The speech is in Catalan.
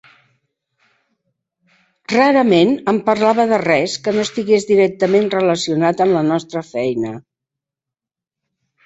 Rarament em parlava de res que no estigués directament relacionat amb la nostra feina.